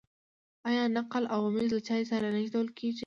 آیا نقل او ممیز له چای سره نه ایښودل کیږي؟